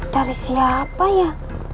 dari siapa ya